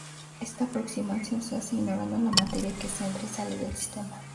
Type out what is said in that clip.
Esta aproximación se hace ignorando la materia que entra y sale del sistema.